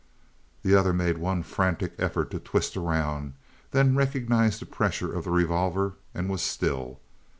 The other made one frantic effort to twist around, then recognized the pressure of the revolver and was still.